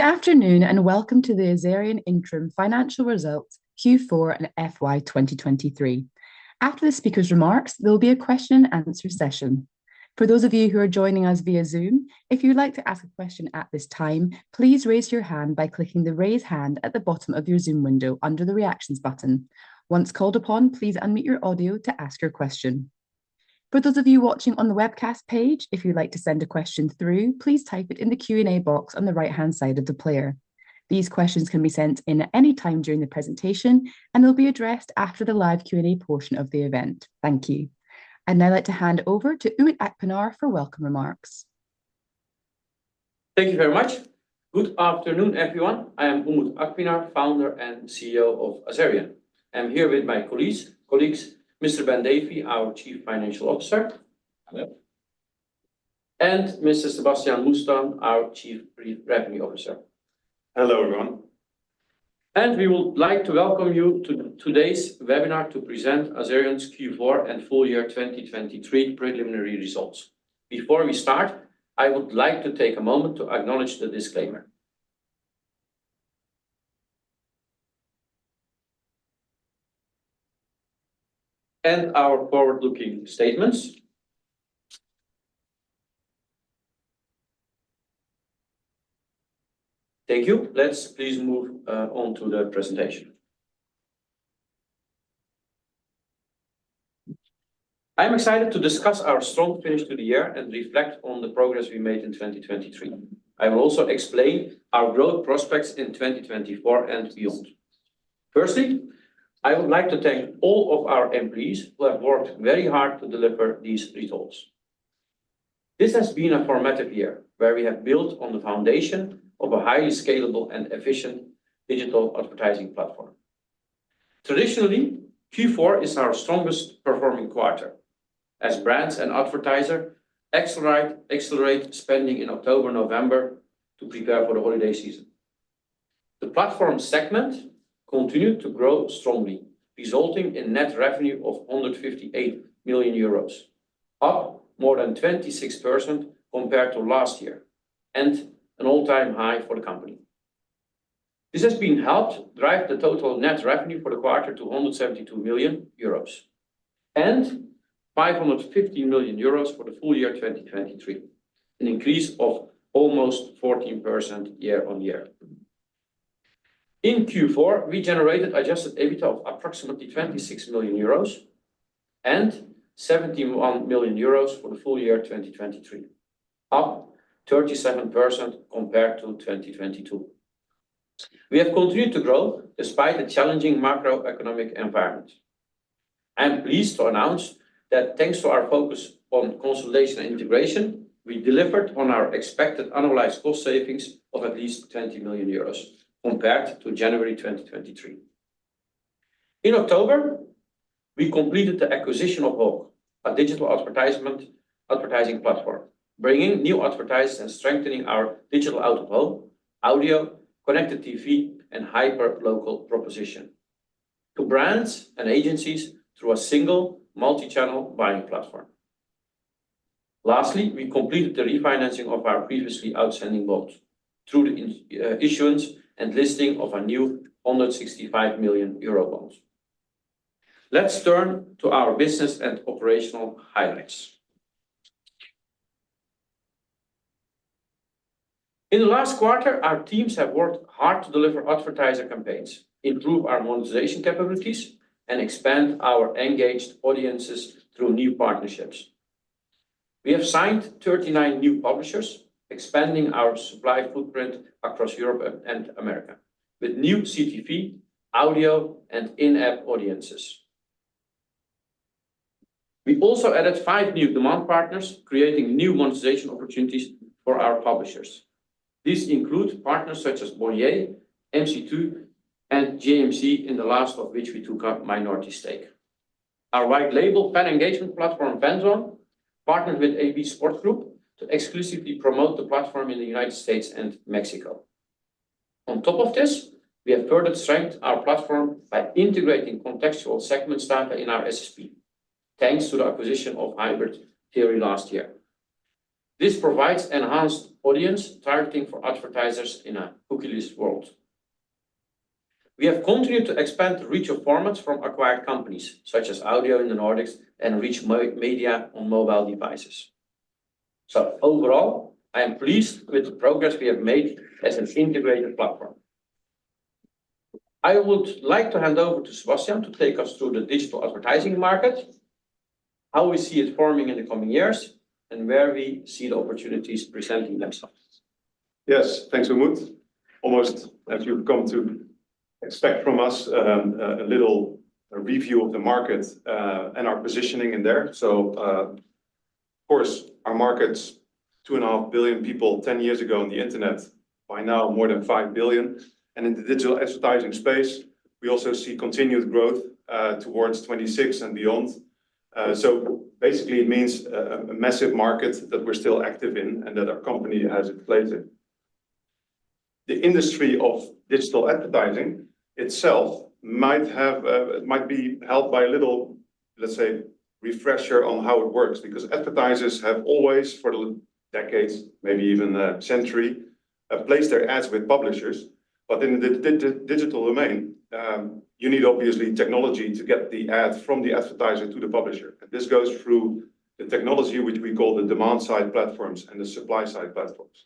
Good afternoon and welcome to the Azerion Interim Financial Results Q4 and FY 2023. After the speaker's remarks, there will be a question-and-answer session. For those of you who are joining us via Zoom, if you'd like to ask a question at this time, please raise your hand by clicking the "Raise Hand" at the bottom of your Zoom window under the reactions button. Once called upon, please unmute your audio to ask your question. For those of you watching on the webcast page, if you'd like to send a question through, please type it in the Q&A box on the right-hand side of the player. These questions can be sent in at any time during the presentation, and they'll be addressed after the live Q&A portion of the event. Thank you. Now I'd like to hand over to Umut Akpinar for welcome remarks. Thank you very much. Good afternoon, everyone. I am Umut Akpinar, Co-founder and CEO of Azerion. I'm here with my colleagues, Mr. Ben Davey, our Chief Financial Officer, and Mr. Sebastiaan Moesman, our Chief Revenue Officer. Hello, everyone. We would like to welcome you to today's webinar to present Azerion's Q4 and full year 2023 preliminary results. Before we start, I would like to take a moment to acknowledge the disclaimer and our forward-looking statements. Thank you. Let's please move on to the presentation. I'm excited to discuss our strong finish to the year and reflect on the progress we made in 2023. I will also explain our growth prospects in 2024 and beyond. Firstly, I would like to thank all of our employees who have worked very hard to deliver these results. This has been a formative year where we have built on the foundation of a highly scalable and efficient digital advertising platform. Traditionally, Q4 is our strongest performing quarter, as brands and advertisers accelerate spending in October and November to prepare for the holiday season. The platform segment continued to grow strongly, resulting in net revenue of 158 million euros, up more than 26% compared to last year and an all-time high for the company. This has helped drive the total net revenue for the quarter to 172 million euros and 515 million euros for the full year 2023, an increase of almost 14% year-on-year. In Q4, we generated Adjusted EBITDA of approximately 26 million euros and 71 million euros for the full year 2023, up 37% compared to 2022. We have continued to grow despite the challenging macroeconomic environment. I'm pleased to announce that thanks to our focus on consolidation and integration, we delivered on our expected annualized cost savings of at least 20 million euros compared to January 2023. In October, we completed the acquisition of Hawk, a digital advertising platform, bringing new advertisers and strengthening our digital out-of-home audio, Connected TV, and hyperlocal proposition to brands and agencies through a single multi-channel buying platform. Lastly, we completed the refinancing of our previously outstanding bonds through the issuance and listing of our new 165 million euro bonds. Let's turn to our business and operational highlights. In the last quarter, our teams have worked hard to deliver advertiser campaigns, improve our monetization capabilities, and expand our engaged audiences through new partnerships. We have signed 39 new publishers, expanding our supply footprint across Europe and America with new CTV, audio, and in-app audiences. We also added 5 new demand partners, creating new monetization opportunities for our publishers. These include partners such as Boyer, MC2, and JAMC, in the last of which we took a minority stake. Our white-label fan engagement platform, Fanzone, partnered with EB Sport Group to exclusively promote the platform in the United States and Mexico. On top of this, we have further strengthened our platform by integrating contextual segments data in our SSP, thanks to the acquisition of Hybrid Theory last year. This provides enhanced audience targeting for advertisers in a cookieless world. We have continued to expand the reach of formats from acquired companies such as audio in the Nordics and reach media on mobile devices. So overall, I am pleased with the progress we have made as an integrated platform. I would like to hand over to Sebastiaan to take us through the digital advertising market, how we see it forming in the coming years, and where we see the opportunities presenting themselves. Yes, thanks, Umut. Almost as you've come to expect from us, a little review of the market and our positioning in there. So of course, our market's 2.5 billion people 10 years ago on the internet, by now more than 5 billion. And in the digital advertising space, we also see continued growth towards 2026 and beyond. So basically, it means a massive market that we're still active in and that our company has inflated. The industry of digital advertising itself might be helped by a little, let's say, refresher on how it works because advertisers have always, for decades, maybe even a century, placed their ads with publishers. But in the digital domain, you need obviously technology to get the ad from the advertiser to the publisher. And this goes through the technology, which we call the demand-side platforms and the supply-side platforms.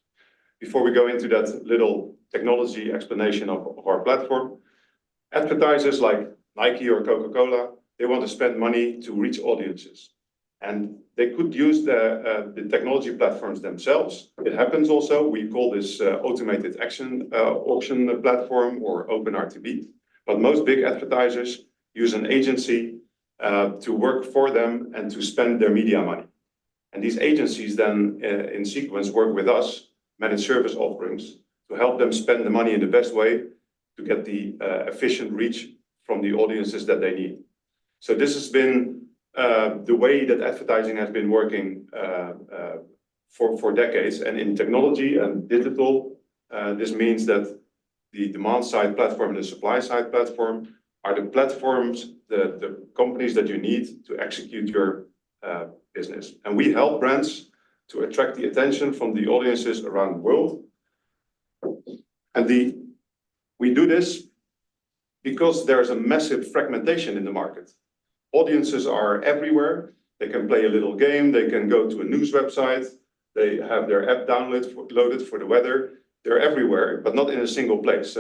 Before we go into that little technology explanation of our platform, advertisers like Nike or Coca-Cola, they want to spend money to reach audiences. They could use the technology platforms themselves. It happens also. We call this automated auction platform or OpenRTB. Most big advertisers use an agency to work for them and to spend their media money. These agencies then, in sequence, work with us, manage service offerings to help them spend the money in the best way to get the efficient reach from the audiences that they need. This has been the way that advertising has been working for decades. In technology and digital, this means that the demand-side platform and the supply-side platform are the platforms, the companies that you need to execute your business. We help brands to attract the attention from the audiences around the world. We do this because there's a massive fragmentation in the market. Audiences are everywhere. They can play a little game. They can go to a news website. They have their app downloaded for the weather. They're everywhere, but not in a single place.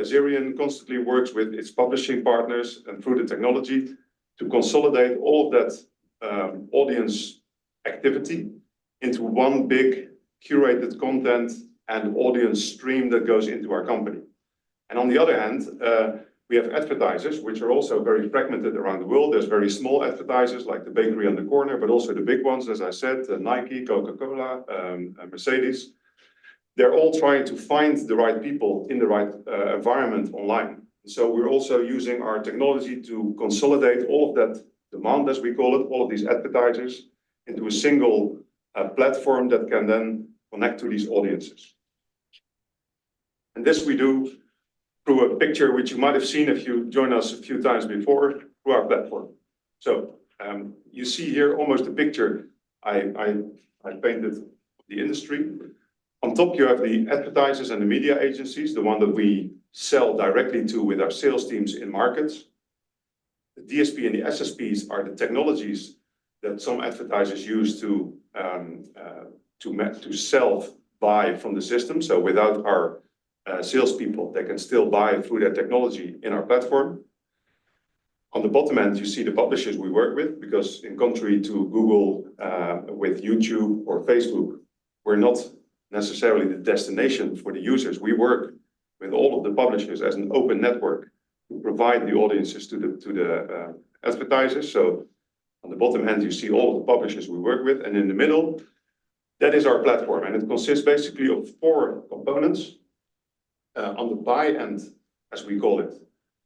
Azerion constantly works with its publishing partners and through the technology to consolidate all of that audience activity into one big curated content and audience stream that goes into our company. On the other hand, we have advertisers, which are also very fragmented around the world. There's very small advertisers like the bakery on the corner, but also the big ones, as I said, Nike, Coca-Cola, Mercedes. They're all trying to find the right people in the right environment online. And so we're also using our technology to consolidate all of that demand, as we call it, all of these advertisers, into a single platform that can then connect to these audiences. And this we do through a picture, which you might have seen if you joined us a few times before, through our platform. So you see here almost a picture I painted of the industry. On top, you have the advertisers and the media agencies, the one that we sell directly to with our sales teams in markets. The DSP and the SSPs are the technologies that some advertisers use to sell, buy from the system. So without our salespeople, they can still buy through that technology in our platform. On the bottom end, you see the publishers we work with because in contrary to Google with YouTube or Facebook, we're not necessarily the destination for the users. We work with all of the publishers as an open network to provide the audiences to the advertisers. So on the bottom end, you see all of the publishers we work with. And in the middle, that is our platform. And it consists basically of four components. On the buy end, as we call it,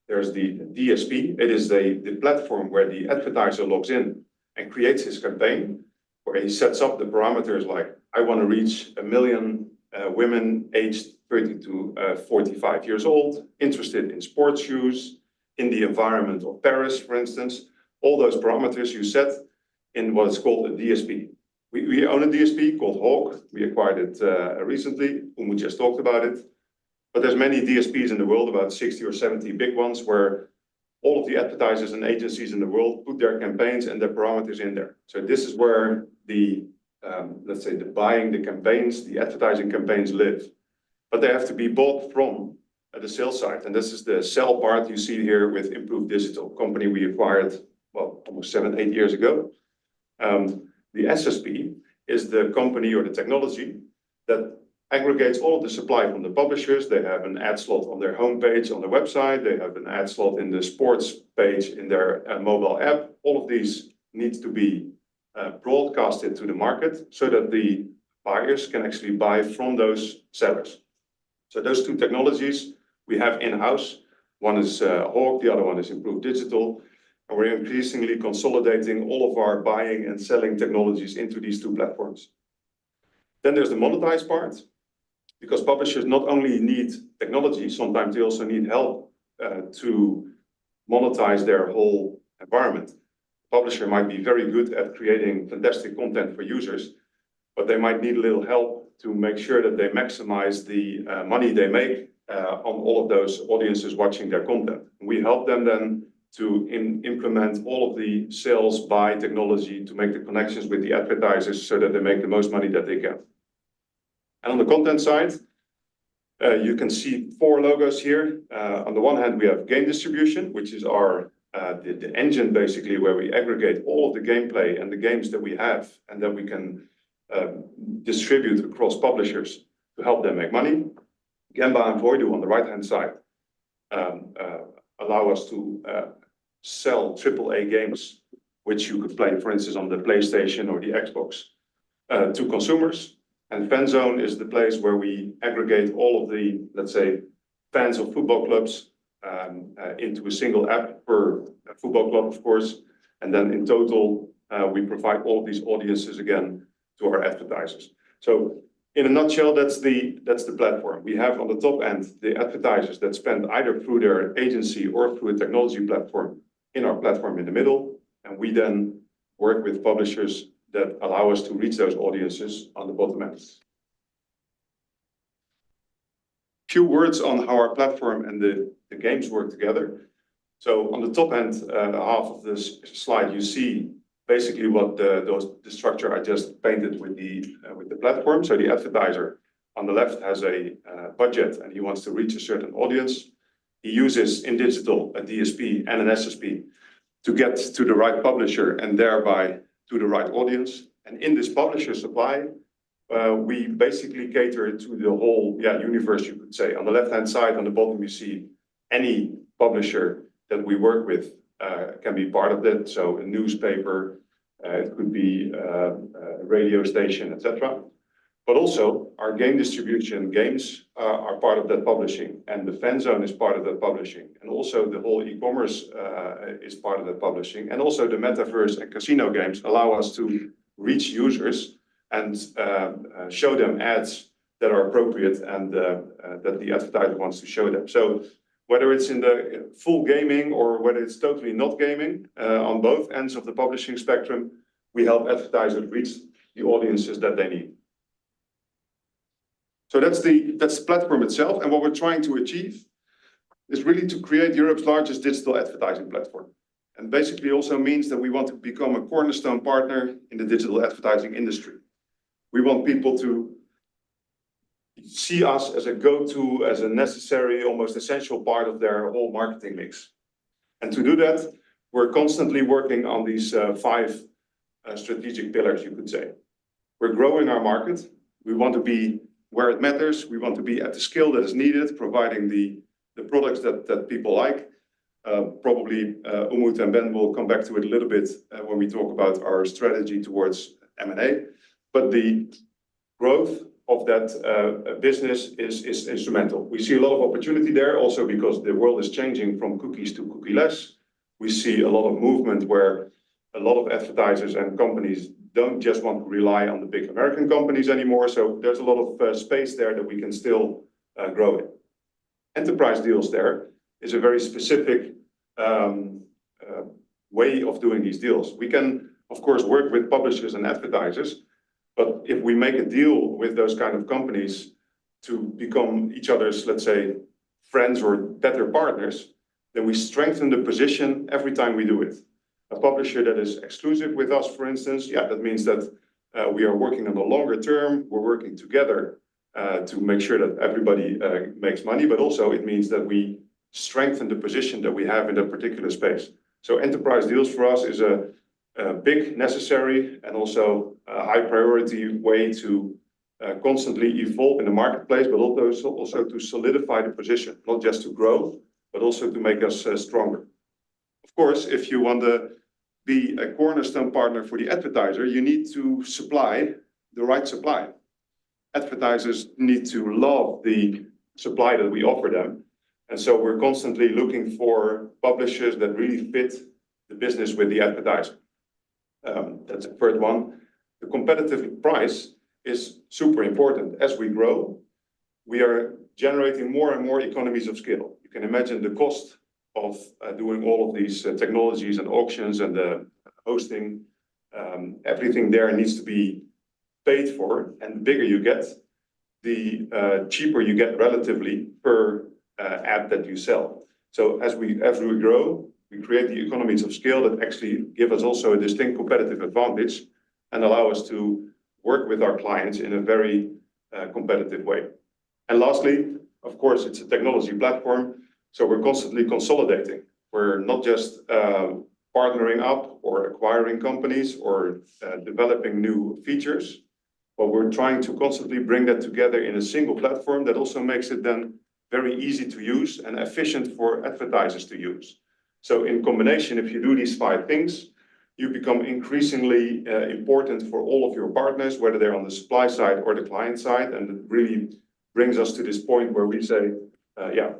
there's the DSP. It is the platform where the advertiser logs in and creates his campaign where he sets up the parameters like, "I want to reach 1 million women aged 30-45 years old interested in sports shoes in the environment of Paris," for instance. All those parameters you set in what is called a DSP. We own a DSP called Hawk. We acquired it recently. Umut just talked about it. But there's many DSPs in the world, about 60 or 70 big ones, where all of the advertisers and agencies in the world put their campaigns and their parameters in there. So this is where the, let's say, the buying, the campaigns, the advertising campaigns live. But they have to be bought from the sell side. And this is the sell part you see here with Improve Digital, company we acquired, well, almost seven to eight years ago. The SSP is the company or the technology that aggregates all of the supply from the publishers. They have an ad slot on their homepage, on their website. They have an ad slot in the sports page in their mobile app. All of these need to be broadcasted to the market so that the buyers can actually buy from those sellers. So those two technologies we have in-house. One is Hawk, the other one is Improve Digital. We're increasingly consolidating all of our buying and selling technologies into these two platforms. There's the monetized part because publishers not only need technology, sometimes they also need help to monetize their whole environment. A publisher might be very good at creating fantastic content for users, but they might need a little help to make sure that they maximize the money they make on all of those audiences watching their content. We help them then to implement all of the sales by technology to make the connections with the advertisers so that they make the most money that they can. On the content side, you can see four logos here. On the one hand, we have GameDistribution, which is our engine, basically, where we aggregate all of the gameplay and the games that we have and that we can distribute across publishers to help them make money. Gemba and Voidu on the right-hand side allow us to sell AAA games, which you could play, for instance, on the PlayStation or the Xbox to consumers. And Fanzone is the place where we aggregate all of the, let's say, fans of football clubs into a single app per football club, of course. And then in total, we provide all of these audiences again to our advertisers. So in a nutshell, that's the platform. We have on the top end the advertisers that spend either through their agency or through a technology platform in our platform in the middle. We then work with publishers that allow us to reach those audiences on the bottom end. Few words on how our platform and the games work together. On the top end, half of this slide, you see basically what the structure I just painted with the platform. The advertiser on the left has a budget, and he wants to reach a certain audience. He uses in digital a DSP and an SSP to get to the right publisher and thereby to the right audience. In this publisher supply, we basically cater to the whole, yeah, universe, you could say. On the left-hand side, on the bottom, you see any publisher that we work with can be part of that. A newspaper, it could be a radio station, etc. But also our GameDistribution games are part of that publishing. The Fanzone is part of that publishing. The whole e-commerce is also part of that publishing. The metaverse and casino games also allow us to reach users and show them ads that are appropriate and that the advertiser wants to show them. Whether it's in the full gaming or whether it's totally not gaming, on both ends of the publishing spectrum, we help advertisers reach the audiences that they need. That's the platform itself. What we're trying to achieve is really to create Europe's largest digital advertising platform. That basically also means that we want to become a cornerstone partner in the digital advertising industry. We want people to see us as a go-to, a necessary, almost essential part of their whole marketing mix. To do that, we're constantly working on these five strategic pillars, you could say. We're growing our market. We want to be where it matters. We want to be at the scale that is needed, providing the products that people like. Probably Umut and Ben will come back to it a little bit when we talk about our strategy towards M&A. But the growth of that business is instrumental. We see a lot of opportunity there also because the world is changing from cookies to cookieless. We see a lot of movement where a lot of advertisers and companies don't just want to rely on the big American companies anymore. So there's a lot of space there that we can still grow in. Enterprise deals there is a very specific way of doing these deals. We can, of course, work with publishers and advertisers. But if we make a deal with those kind of companies to become each other's, let's say, friends or better partners, then we strengthen the position every time we do it. A publisher that is exclusive with us, for instance, yeah, that means that we are working on a longer term. We're working together to make sure that everybody makes money. But also it means that we strengthen the position that we have in that particular space. So enterprise deals for us is a big, necessary, and also a high-priority way to constantly evolve in the marketplace, but also to solidify the position, not just to grow, but also to make us stronger. Of course, if you want to be a cornerstone partner for the advertiser, you need to supply the right supply. Advertisers need to love the supply that we offer them. And so we're constantly looking for publishers that really fit the business with the advertiser. That's the third one. The competitive price is super important. As we grow, we are generating more and more economies of scale. You can imagine the cost of doing all of these technologies and auctions and the hosting. Everything there needs to be paid for. And the bigger you get, the cheaper you get relatively per ad that you sell. So as we grow, we create the economies of scale that actually give us also a distinct competitive advantage and allow us to work with our clients in a very competitive way. And lastly, of course, it's a technology platform. So we're constantly consolidating. We're not just partnering up or acquiring companies or developing new features, but we're trying to constantly bring that together in a single platform that also makes it then very easy to use and efficient for advertisers to use. So in combination, if you do these five things, you become increasingly important for all of your partners, whether they're on the supply side or the client side. And it really brings us to this point where we say, "Yeah,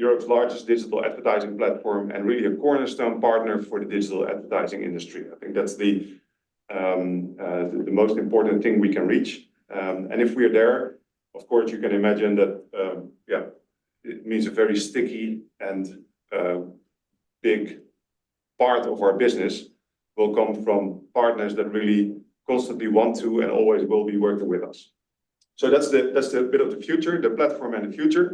Europe's largest digital advertising platform and really a cornerstone partner for the digital advertising industry." I think that's the most important thing we can reach. And if we are there, of course, you can imagine that, yeah, it means a very sticky and big part of our business will come from partners that really constantly want to and always will be working with us. So that's the bit of the future, the platform and the future.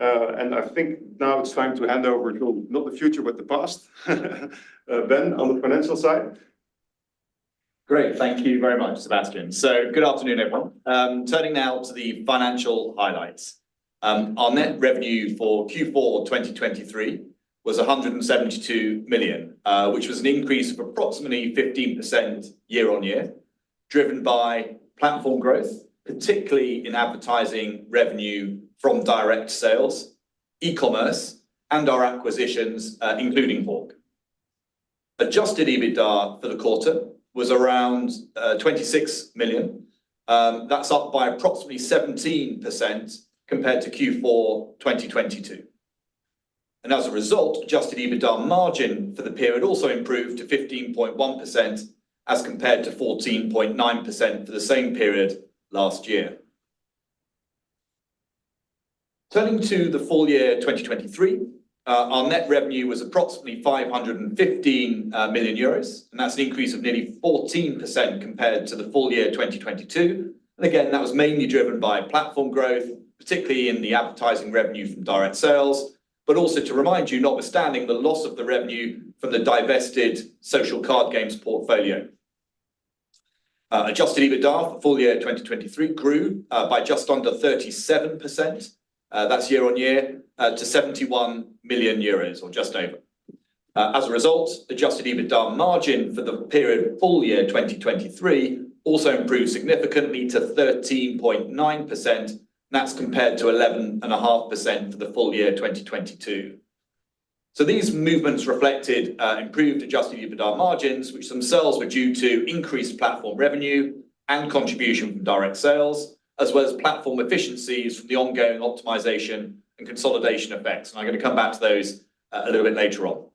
I think now it's time to hand over to not the future, but the past, Ben, on the financial side. Great. Thank you very much, Sebastiaan. So good afternoon, everyone. Turning now to the financial highlights. Our net revenue for Q4 2023 was 172 million, which was an increase of approximately 15% year-over-year, driven by platform growth, particularly in advertising revenue from direct sales, e-commerce, and our acquisitions, including Hawk. Adjusted EBITDA for the quarter was around 26 million. That's up by approximately 17% compared to Q4 2022. And as a result, Adjusted EBITDA margin for the period also improved to 15.1% as compared to 14.9% for the same period last year. Turning to the full year 2023, our net revenue was approximately 515 million euros. And that's an increase of nearly 14% compared to the full year 2022. And again, that was mainly driven by platform growth, particularly in the advertising revenue from direct sales. But also to remind you, notwithstanding the loss of the revenue from the divested social card games portfolio, Adjusted EBITDA for full year 2023 grew by just under 37%. That's year-on-year to 71 million euros or just over. As a result, Adjusted EBITDA margin for the period full year 2023 also improved significantly to 13.9%. And that's compared to 11.5% for the full year 2022. So these movements reflected improved Adjusted EBITDA margins, which themselves were due to increased platform revenue and contribution from direct sales, as well as platform efficiencies from the ongoing optimization and consolidation effects. And I'm going to come back to those a little bit later on.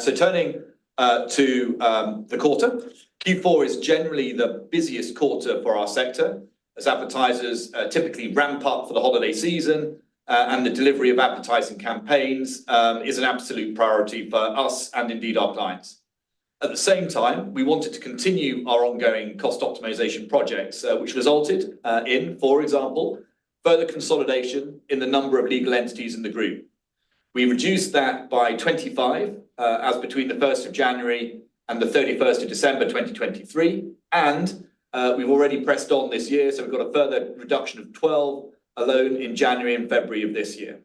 So turning to the quarter, Q4 is generally the busiest quarter for our sector as advertisers typically ramp up for the holiday season. The delivery of advertising campaigns is an absolute priority for us and indeed our clients. At the same time, we wanted to continue our ongoing cost optimization projects, which resulted in, for example, further consolidation in the number of legal entities in the group. We reduced that by 25, as between the January 1st and the December 31st 2023. We've already pressed on this year. We've got a further reduction of 12 alone in January and February of this year.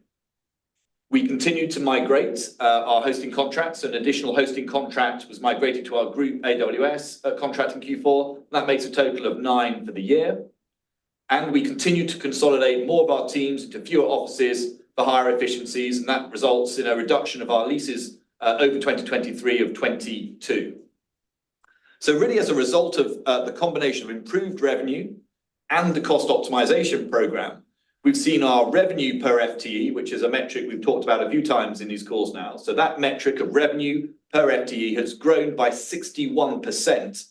We continue to migrate our hosting contracts. An additional hosting contract was migrated to our group AWS contract in Q4. That makes a total of 9 for the year. We continue to consolidate more of our teams into fewer offices for higher efficiencies. That results in a reduction of our leases over 2023 of 22. So really, as a result of the combination of improved revenue and the cost optimization program, we've seen our revenue per FTE, which is a metric we've talked about a few times in these calls now. So that metric of revenue per FTE has grown by 61%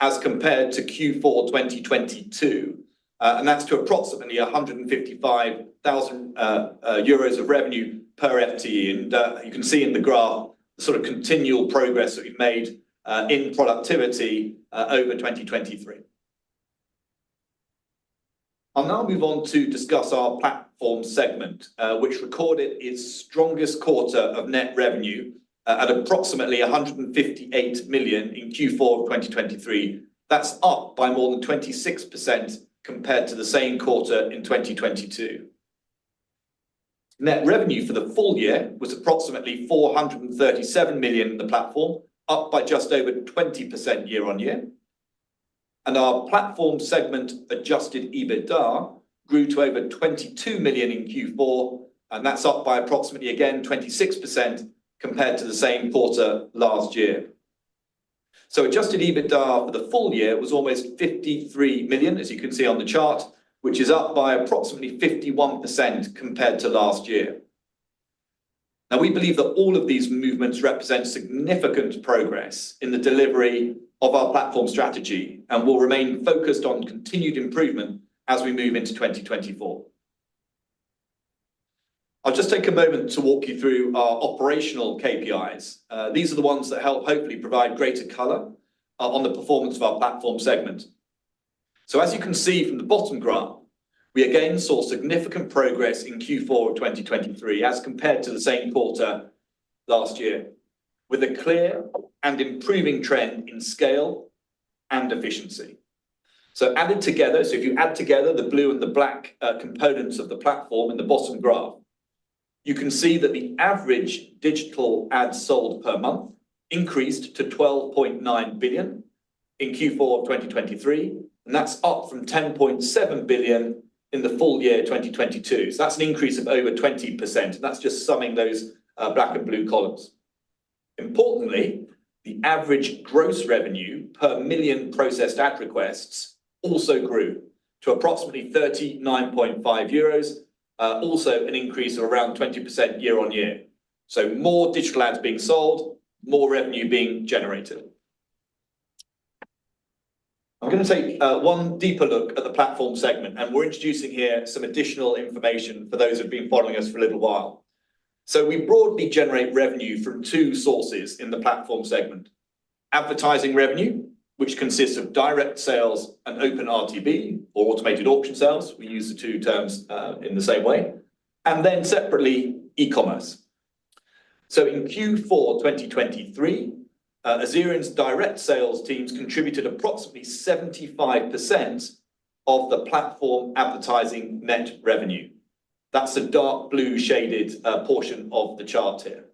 as compared to Q4 2022. And that's to approximately 155,000 euros of revenue per FTE. And you can see in the graph the sort of continual progress that we've made in productivity over 2023. I'll now move on to discuss our platform segment, which recorded its strongest quarter of net revenue at approximately 158 million in Q4 of 2023. That's up by more than 26% compared to the same quarter in 2022. Net revenue for the full year was approximately 437 million in the platform, up by just over 20% year-over-year. Our platform segment Adjusted EBITDA grew to over 22 million in Q4. That's up by approximately, again, 26% compared to the same quarter last year. Adjusted EBITDA for the full year was almost 53 million, as you can see on the chart, which is up by approximately 51% compared to last year. Now, we believe that all of these movements represent significant progress in the delivery of our platform strategy and will remain focused on continued improvement as we move into 2024. I'll just take a moment to walk you through our operational KPIs. These are the ones that help hopefully provide greater color on the performance of our platform segment. So, as you can see from the bottom graph, we again saw significant progress in Q4 of 2023 as compared to the same quarter last year, with a clear and improving trend in scale and efficiency. So, added together, so if you add together the blue and the black components of the platform in the bottom graph, you can see that the average digital ads sold per month increased to 12.9 billion in Q4 of 2023. And that's up from 10.7 billion in the full year 2022. So that's an increase of over 20%. And that's just summing those black and blue columns. Importantly, the average gross revenue per million processed ad requests also grew to approximately 39.5 million euros, also an increase of around 20% year-on-year. So more digital ads being sold, more revenue being generated. I'm going to take one deeper look at the platform segment. And we're introducing here some additional information for those who have been following us for a little while. So we broadly generate revenue from two sources in the platform segment: advertising revenue, which consists of direct sales and OpenRTB, or automated auction sales. We use the two terms in the same way. And then separately, e-commerce. So in Q4 2023, Azerion's direct sales teams contributed approximately 75% of the platform advertising net revenue. That's the dark blue shaded portion of the chart here.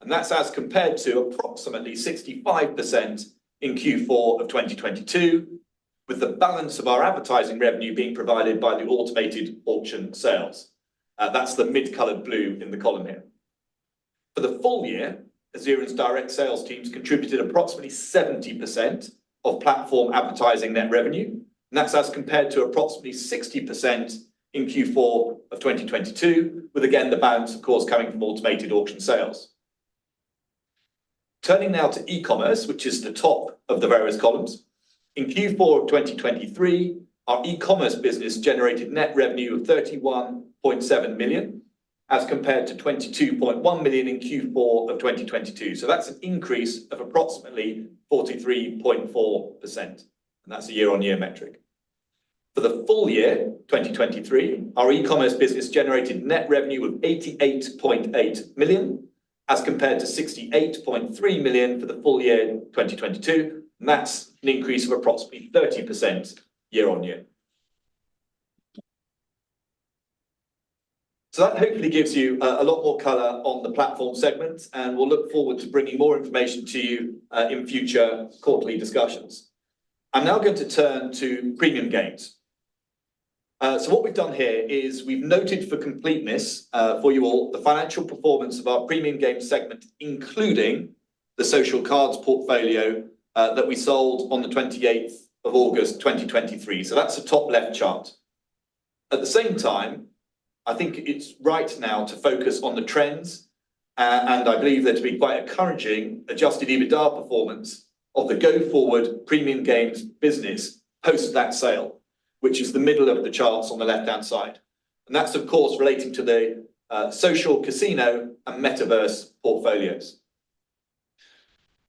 And that's as compared to approximately 65% in Q4 of 2022, with the balance of our advertising revenue being provided by the automated auction sales. That's the mid-colored blue in the column here. For the full year, Azerion's direct sales teams contributed approximately 70% of platform advertising net revenue. And that's as compared to approximately 60% in Q4 of 2022, with again the balance, of course, coming from automated auction sales. Turning now to e-commerce, which is the top of the various columns. In Q4 of 2023, our e-commerce business generated net revenue of 31.7 million as compared to 22.1 million in Q4 of 2022. So that's an increase of approximately 43.4%. And that's a year-on-year metric. For the full year 2023, our e-commerce business generated net revenue of 88.8 million as compared to 68.3 million for the full year 2022. And that's an increase of approximately 30% year-on-year. So that hopefully gives you a lot more color on the platform segment. And we'll look forward to bringing more information to you in future quarterly discussions. I'm now going to turn to premium games. So what we've done here is we've noted for completeness for you all the financial performance of our premium games segment, including the social cards portfolio that we sold on the August 28th 2023. So that's the top left chart. At the same time, I think it's right now to focus on the trends. I believe there to be quite encouraging Adjusted EBITDA performance of the go-forward Premium Games business post that sale, which is the middle of the charts on the left-hand side. That's, of course, relating to the social casino and metaverse portfolios.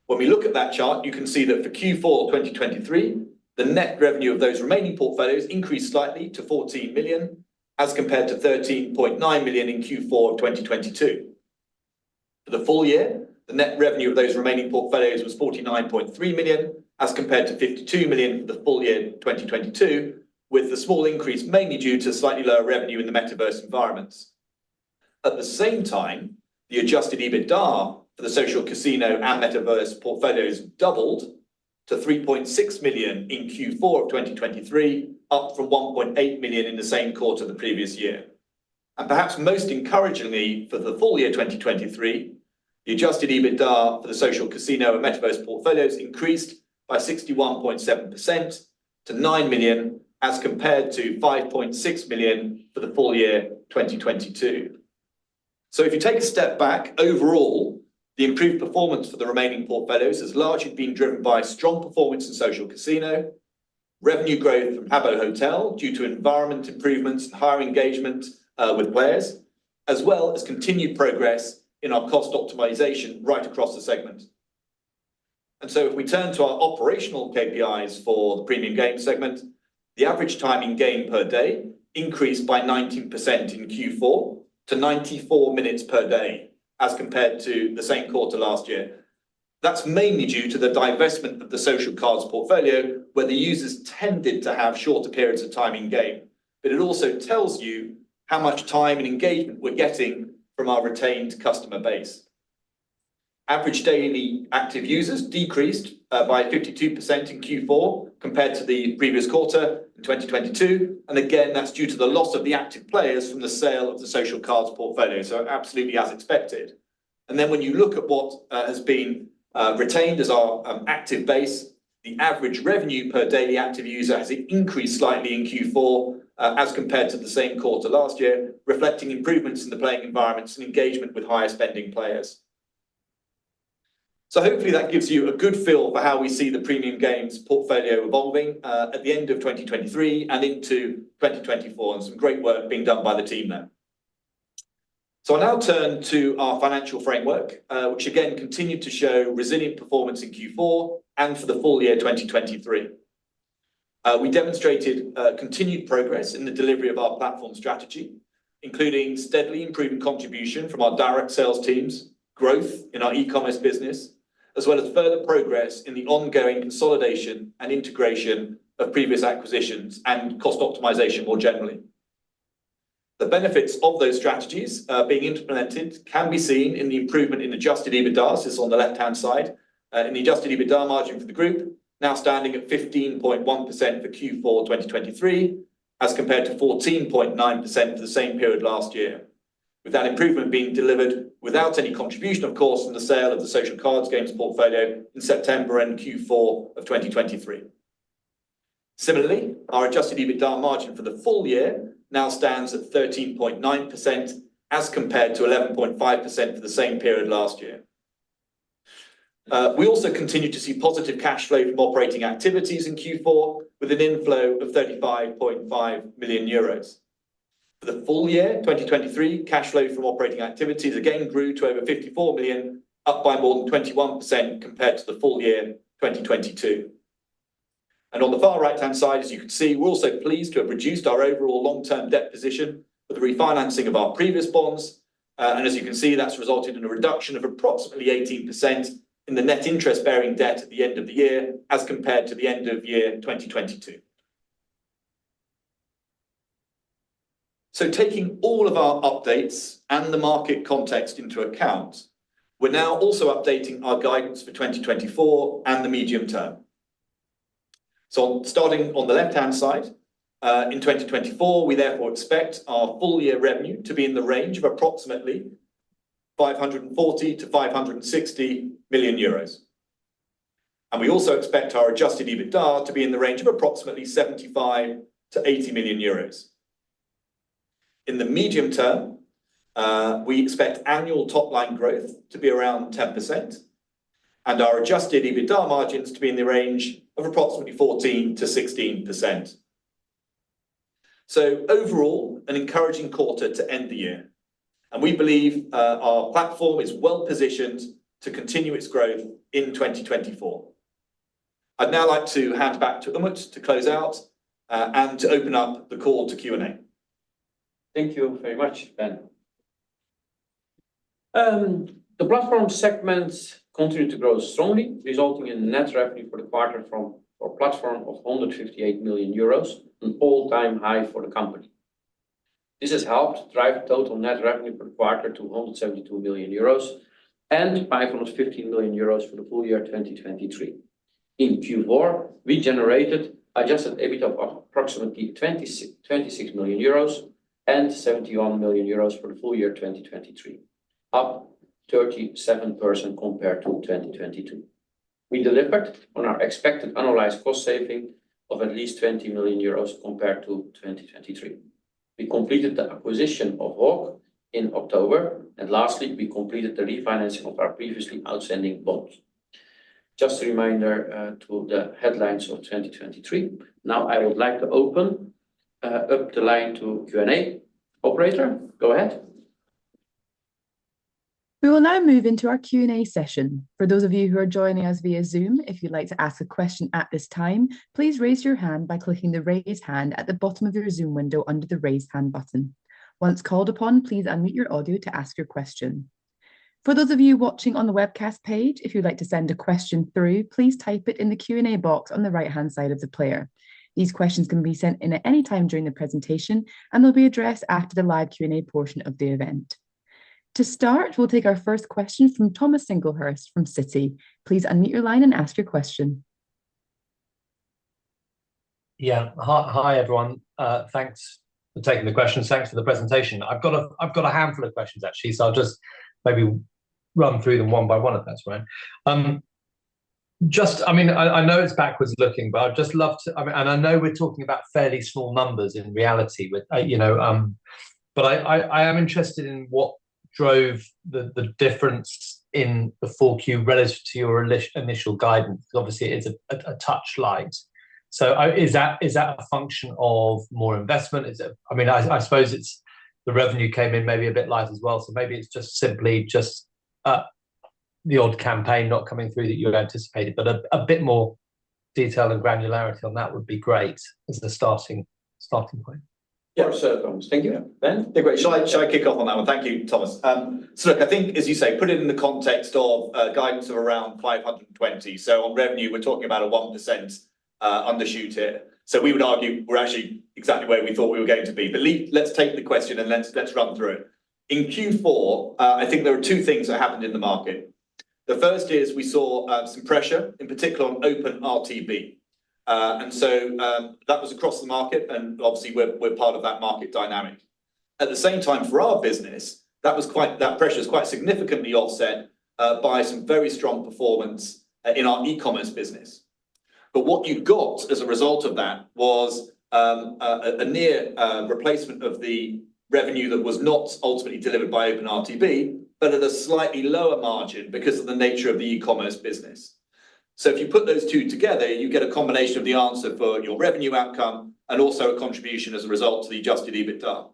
When we look at that chart, you can see that for Q4 2023, the net revenue of those remaining portfolios increased slightly to 14 million as compared to 13.9 million in Q4 of 2022. For the full year, the net revenue of those remaining portfolios was 49.3 million as compared to 52 million for the full year 2022, with the small increase mainly due to slightly lower revenue in the metaverse environments. At the same time, the Adjusted EBITDA for the social casino and metaverse portfolios doubled to 3.6 million in Q4 of 2023, up from 1.8 million in the same quarter the previous year. Perhaps most encouragingly for the full year 2023, the Adjusted EBITDA for the social casino and metaverse portfolios increased by 61.7% to 9 million as compared to 5.6 million for the full year 2022. If you take a step back, overall, the improved performance for the remaining portfolios has largely been driven by strong performance in social casino, revenue growth from Habbo Hotel due to environment improvements and higher engagement with players, as well as continued progress in our cost optimization right across the segment. If we turn to our operational KPIs for the premium game segment, the average time in game per day increased by 19% in Q4 to 94 minutes per day as compared to the same quarter last year. That's mainly due to the divestment of the social cards portfolio, where the users tended to have shorter periods of time in game. It also tells you how much time and engagement we're getting from our retained customer base. Average daily active users decreased by 52% in Q4 compared to the previous quarter in 2022. Again, that's due to the loss of the active players from the sale of the social cards portfolio. Absolutely as expected. Then when you look at what has been retained as our active base, the average revenue per daily active user has increased slightly in Q4 as compared to the same quarter last year, reflecting improvements in the playing environments and engagement with higher spending players. So hopefully, that gives you a good feel for how we see the premium games portfolio evolving at the end of 2023 and into 2024, and some great work being done by the team there. So I'll now turn to our financial framework, which again continued to show resilient performance in Q4 and for the full year 2023. We demonstrated continued progress in the delivery of our platform strategy, including steadily improving contribution from our direct sales teams, growth in our e-commerce business, as well as further progress in the ongoing consolidation and integration of previous acquisitions and cost optimization more generally. The benefits of those strategies being implemented can be seen in the improvement in Adjusted EBITDA. This is on the left-hand side. In the Adjusted EBITDA margin for the group, now standing at 15.1% for Q4 2023 as compared to 14.9% for the same period last year, with that improvement being delivered without any contribution, of course, from the sale of the Social Casino Titles portfolio in September and Q4 of 2023. Similarly, our Adjusted EBITDA margin for the full year now stands at 13.9% as compared to 11.5% for the same period last year. We also continue to see positive cash flow from operating activities in Q4, with an inflow of 35.5 million euros. For the full year 2023, cash flow from operating activities again grew to over 54 million, up by more than 21% compared to the full year 2022. On the far right-hand side, as you can see, we're also pleased to have reduced our overall long-term debt position with the refinancing of our previous bonds. As you can see, that's resulted in a reduction of approximately 18% in the net interest-bearing debt at the end of the year as compared to the end of 2022. Taking all of our updates and the market context into account, we're now also updating our guidance for 2024 and the medium term. Starting on the left-hand side, in 2024, we therefore expect our full-year revenue to be in the range of approximately 540 million-560 million euros. We also expect our Adjusted EBITDA to be in the range of approximately 75 million-80 million euros. In the medium term, we expect annual top-line growth to be around 10%. Our Adjusted EBITDA margins to be in the range of approximately 14%-16%. Overall, an encouraging quarter to end the year. We believe our platform is well-positioned to continue its growth in 2024. I'd now like to hand back to Umut to close out and to open up the call to Q&A. Thank you very much, Ben. The platform segments continue to grow strongly, resulting in net revenue for the quarter from our platform of 158 million euros, an all-time high for the company. This has helped drive total net revenue per quarter to 172 million euros and 515 million euros for the full year 2023. In Q4, we generated Adjusted EBITDA of approximately 26 million euros and 71 million euros for the full year 2023, up 37% compared to 2022. We delivered on our expected annualized cost saving of at least 20 million euros compared to 2023. We completed the acquisition of Hawk in October. And lastly, we completed the refinancing of our previously outstanding bonds. Just a reminder of the headlines of 2023. Now, I would like to open up the line to Q&A. Operator, go ahead. We will now move into our Q&A session. For those of you who are joining us via Zoom, if you'd like to ask a question at this time, please raise your hand by clicking the raise hand at the bottom of your Zoom window under the raise hand button. Once called upon, please unmute your audio to ask your question. For those of you watching on the webcast page, if you'd like to send a question through, please type it in the Q&A box on the right-hand side of the player. These questions can be sent in at any time during the presentation, and they'll be addressed after the live Q&A portion of the event. To start, we'll take our first question from Thomas Singlehurst from Citi. Please unmute your line and ask your question. Yeah. Hi, everyone. Thanks for taking the questions. Thanks for the presentation. I've got a handful of questions, actually. So I'll just maybe run through them one by one, if that's right. I mean, I know it's backward-looking, but I'd just love to and I know we're talking about fairly small numbers in reality. But I am interested in what drove the difference in the 4Q relative to your initial guidance. Obviously, it's a touch light. So is that a function of more investment? I mean, I suppose the revenue came in maybe a bit light as well. So maybe it's just simply the old campaign not coming through that you anticipated. But a bit more detail and granularity on that would be great as a starting point. Yeah, absolutely. Thank you, Ben. They're great. Shall I kick off on that one? Thank you, Thomas. So look, I think, as you say, put it in the context of guidance of around 520 million. So on revenue, we're talking about a 1% undershoot here. So we would argue we're actually exactly where we thought we were going to be. But let's take the question, and let's run through it. In Q4, I think there were two things that happened in the market. The first is we saw some pressure, in particular on OpenRTB. And so that was across the market. And obviously, we're part of that market dynamic. At the same time, for our business, that pressure was quite significantly offset by some very strong performance in our e-commerce business. But what you got as a result of that was a near replacement of the revenue that was not ultimately delivered by OpenRTB, but at a slightly lower margin because of the nature of the e-commerce business. So if you put those two together, you get a combination of the answer for your revenue outcome and also a contribution as a result to the Adjusted EBITDA.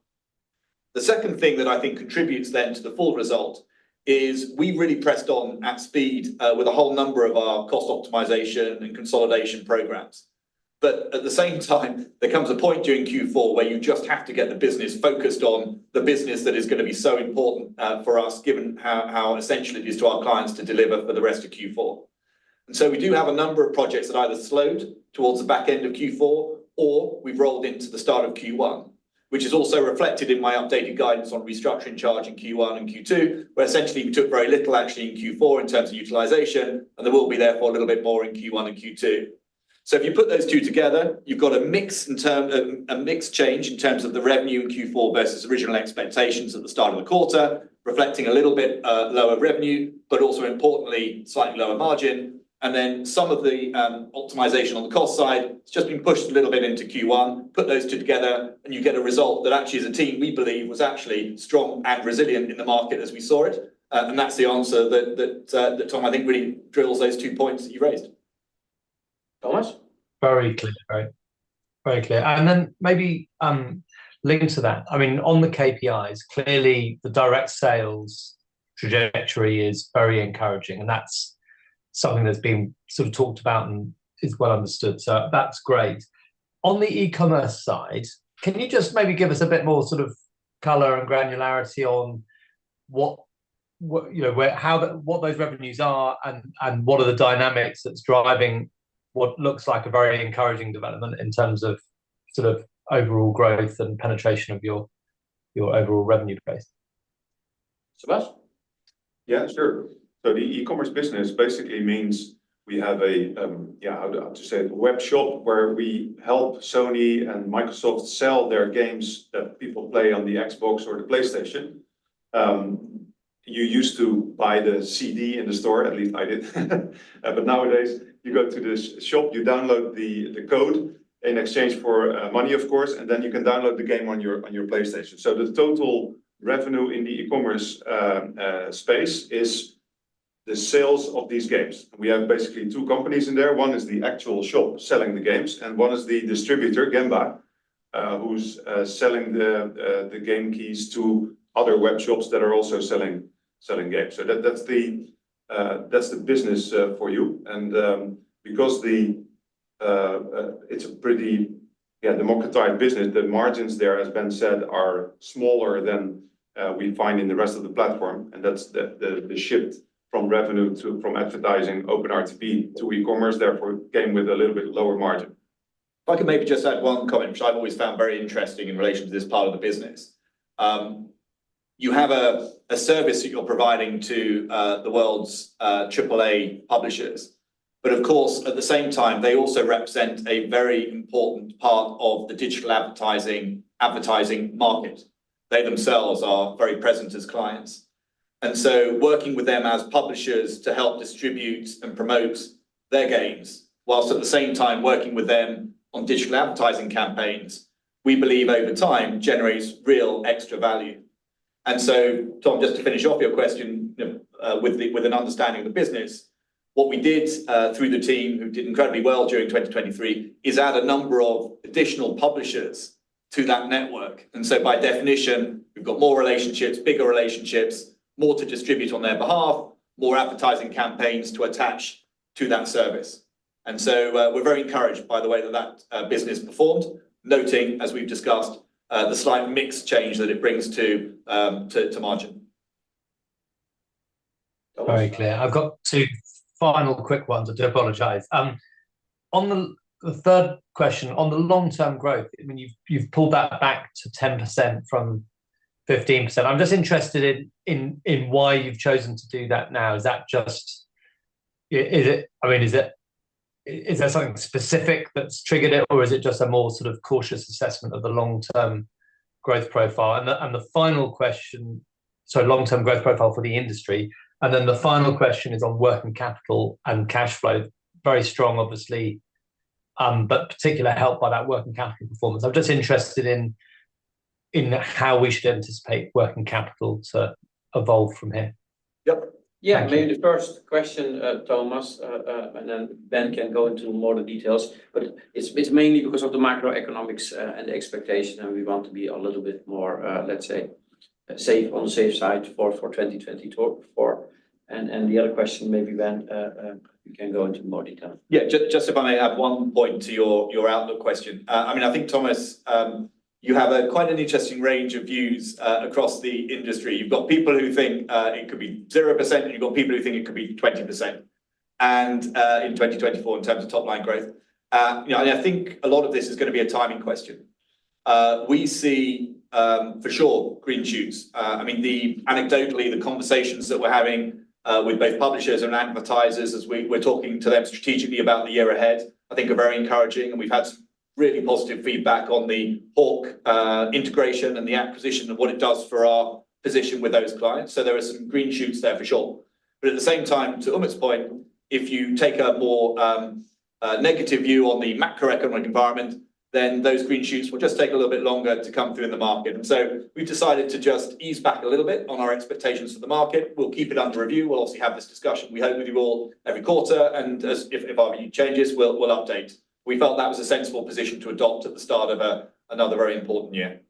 The second thing that I think contributes then to the full result is we really pressed on at speed with a whole number of our cost optimization and consolidation programs. But at the same time, there comes a point during Q4 where you just have to get the business focused on the business that is going to be so important for us, given how essential it is to our clients to deliver for the rest of Q4. And so we do have a number of projects that either slowed towards the back end of Q4, or we've rolled into the start of Q1, which is also reflected in my updated guidance on restructuring charge in Q1 and Q2, where essentially we took very little actually in Q4 in terms of utilization. And there will be therefore a little bit more in Q1 and Q2. So if you put those two together, you've got a mixed change in terms of the revenue in Q4 versus original expectations at the start of the quarter, reflecting a little bit lower revenue, but also importantly, slightly lower margin. And then some of the optimization on the cost side, it's just been pushed a little bit into Q1. Put those two together, and you get a result that actually, as a team, we believe was actually strong and resilient in the market as we saw it. And that's the answer that, Tom, I think really drills those two points that you raised. Thomas? Very clear. Very clear. And then maybe link to that. I mean, on the KPIs, clearly, the direct sales trajectory is very encouraging. And that's something that's been sort of talked about and is well understood. So that's great. On the e-commerce side, can you just maybe give us a bit more sort of color and granularity on what those revenues are and what are the dynamics that's driving what looks like a very encouraging development in terms of sort of overall growth and penetration of your overall revenue base? Sebastiaan? Yeah, sure. So the e-commerce business basically means we have a, yeah, how to say it, webshop where we help Sony and Microsoft sell their games that people play on the Xbox or the PlayStation. You used to buy the CD in the store, at least I did. But nowadays, you go to the shop, you download the code in exchange for money, of course, and then you can download the game on your PlayStation. So the total revenue in the e-commerce space is the sales of these games. And we have basically two companies in there. One is the actual shop selling the games, and one is the distributor, Gemba, who's selling the game keys to other webshop that are also selling games. So that's the business for you. And because it's a pretty, yeah, democratized business, the margins there, as Ben said, are smaller than we find in the rest of the platform. And that's the shift from revenue from advertising openRTB to e-commerce. Therefore, it came with a little bit lower margin. If I could maybe just add one comment, which I've always found very interesting in relation to this part of the business. You have a service that you're providing to the world's AAA publishers. But of course, at the same time, they also represent a very important part of the digital advertising market. They themselves are very present as clients. Working with them as publishers to help distribute and promote their games, while at the same time working with them on digital advertising campaigns, we believe over time generates real extra value. Tom, just to finish off your question with an understanding of the business, what we did through the team who did incredibly well during 2023 is add a number of additional publishers to that network. By definition, we've got more relationships, bigger relationships, more to distribute on their behalf, more advertising campaigns to attach to that service. We're very encouraged by the way that that business performed, noting, as we've discussed, the slight mix change that it brings to margin. Very clear. I've got two final quick ones to do. Apologize. On the third question, on the long-term growth, I mean, you've pulled that back to 10% from 15%. I'm just interested in why you've chosen to do that now. Is that just—I mean, is there something specific that's triggered it, or is it just a more sort of cautious assessment of the long-term growth profile? And the final question—sorry, long-term growth profile for the industry. And then the final question is on working capital and cash flow. Very strong, obviously, but particular help by that working capital performance. I'm just interested in how we should anticipate working capital to evolve from here. Yep. Yeah. Maybe the first question, Thomas, and then Ben can go into more details. But it's mainly because of the macroeconomics and the expectation, and we want to be a little bit more, let's say, safe on the safe side for 2024. And the other question, maybe, Ben, you can go into more detail. Yeah. Just if I may add one point to your outlook question. I mean, I think, Thomas, you have quite an interesting range of views across the industry. You've got people who think it could be 0%, and you've got people who think it could be 20% in 2024 in terms of top-line growth. And I think a lot of this is going to be a timing question. We see, for sure, green shoots. I mean, anecdotally, the conversations that we're having with both publishers and advertisers as we're talking to them strategically about the year ahead, I think, are very encouraging. And we've had some really positive feedback on the Hawk integration and the acquisition and what it does for our position with those clients. So there are some green shoots there, for sure. But at the same time, to Umut's point, if you take a more negative view on the macroeconomic environment, then those green shoots will just take a little bit longer to come through in the market. And so we've decided to just ease back a little bit on our expectations for the market. We'll keep it under review. We'll obviously have this discussion, we hope, with you all every quarter. And if our view changes, we'll update. We felt that was a sensible position to adopt at the start of another very important year.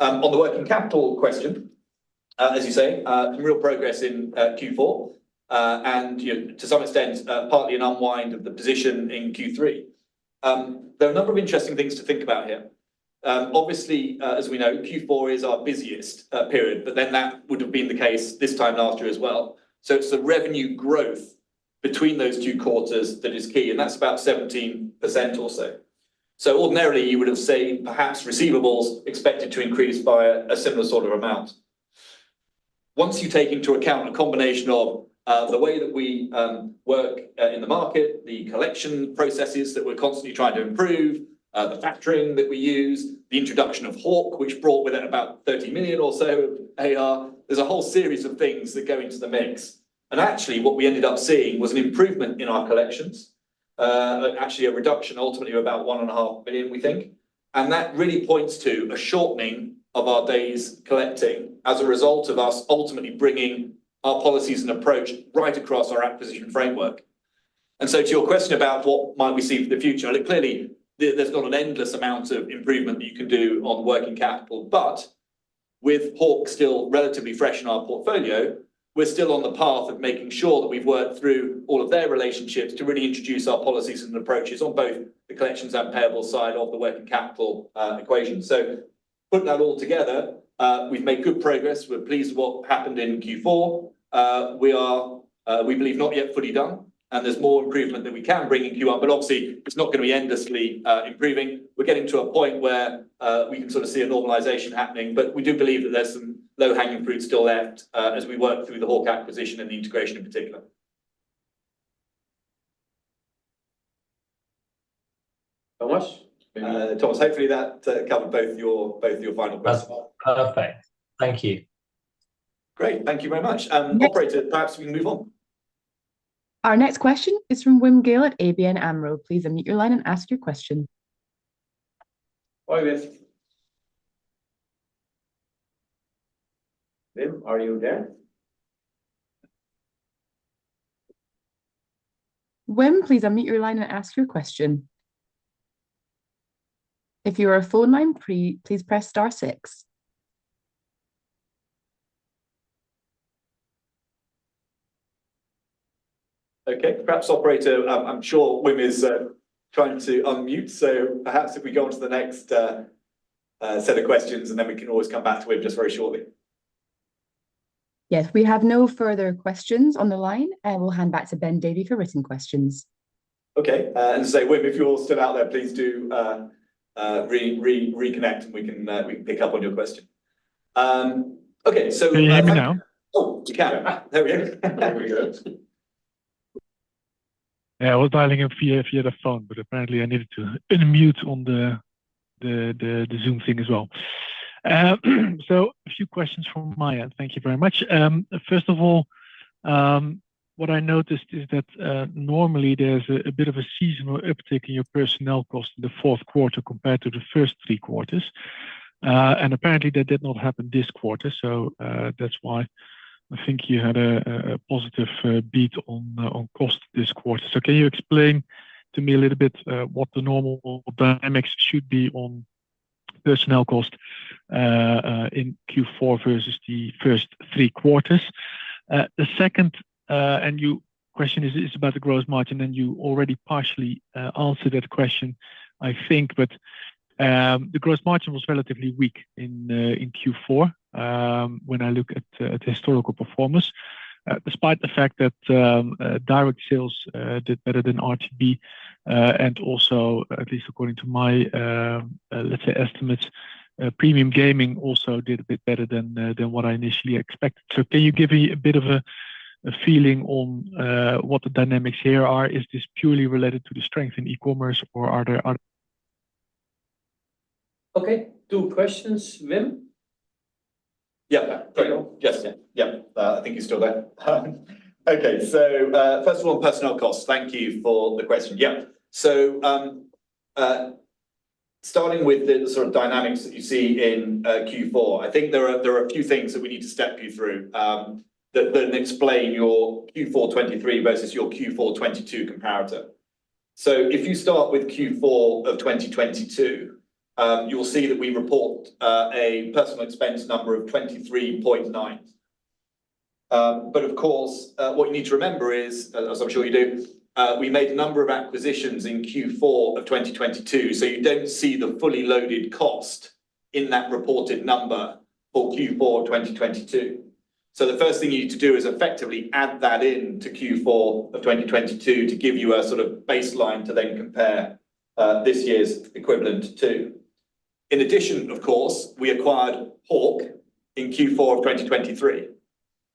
On the working capital question, as you say, some real progress in Q4 and, to some extent, partly an unwind of the position in Q3. There are a number of interesting things to think about here. Obviously, as we know, Q4 is our busiest period. But then that would have been the case this time last year as well. So it's the revenue growth between those two quarters that is key. And that's about 17% or so. So ordinarily, you would have seen perhaps receivables expected to increase by a similar sort of amount. Once you take into account a combination of the way that we work in the market, the collection processes that we're constantly trying to improve, the factoring that we use, the introduction of Hawk, which brought with it about 30 million or so of AR, there's a whole series of things that go into the mix. And actually, what we ended up seeing was an improvement in our collections, actually a reduction ultimately of about 1.5 million, we think. That really points to a shortening of our days collecting as a result of us ultimately bringing our policies and approach right across our acquisition framework. So to your question about what might we see for the future, clearly, there's not an endless amount of improvement that you can do on working capital. But with Hawk still relatively fresh in our portfolio, we're still on the path of making sure that we've worked through all of their relationships to really introduce our policies and approaches on both the collections and payables side of the working capital equation. So put that all together, we've made good progress. We're pleased with what happened in Q4. We believe not yet fully done. And there's more improvement that we can bring in Q1. But obviously, it's not going to be endlessly improving. We're getting to a point where we can sort of see a normalization happening. But we do believe that there's some low-hanging fruit still left as we work through the Hawk acquisition and the integration in particular. Thomas? Thomas, hopefully, that covered both your final questions. Perfect. Thank you. Great. Thank you very much. Operator, perhaps we can move on. Our next question is from Wim Gille at ABN AMRO. Please unmute your line and ask your question. Hi, Wim. Wim, are you there? Wim, please unmute your line and ask your question. If you are on a phone line, please press star six. Okay. Perhaps operator, I'm sure Wim is trying to unmute. So perhaps if we go on to the next set of questions, and then we can always come back to Wim just very shortly. Yes. We have no further questions on the line. We'll hand back to Ben Davey for written questions. Okay. And as I say, Wim, if you're still out there, please do reconnect, and we can pick up on your question. Okay. So, can you hear me now? Oh, you can. There we go. There we go. Yeah. I was dialing in via the phone, but apparently, I needed to unmute on the Zoom thing as well. So a few questions from Maya. Thank you very much. First of all, what I noticed is that normally, there's a bit of a seasonal uptick in your personnel cost in the fourth quarter compared to the first three quarters. And apparently, that did not happen this quarter. So that's why I think you had a positive beat on cost this quarter. So, can you explain to me a little bit what the normal dynamics should be on personnel cost in Q4 versus the first three quarters? The second and your question is about the gross margin. And you already partially answered that question, I think. But the gross margin was relatively weak in Q4 when I look at the historical performance, despite the fact that direct sales did better than RTB. And also, at least according to my, let's say, estimates, premium gaming also did a bit better than what I initially expected. So can you give me a bit of a feeling on what the dynamics here are? Is this purely related to the strength in e-commerce, or are there? Okay. Two questions. Wim? Yeah. Sorry. Just in. Yeah. I think you're still there. Okay. So first of all, on personnel cost, thank you for the question. Yeah. So starting with the sort of dynamics that you see in Q4, I think there are a few things that we need to step you through that then explain your Q4 2023 versus your Q4 2022 comparator. So if you start with Q4 of 2022, you'll see that we report a personnel expense number of 23.9 million. But of course, what you need to remember is, as I'm sure you do, we made a number of acquisitions in Q4 of 2022. So you don't see the fully loaded cost in that reported number for Q4 of 2022. So the first thing you need to do is effectively add that in to Q4 of 2022 to give you a sort of baseline to then compare this year's equivalent to. In addition, of course, we acquired Hawk in Q4 of 2023.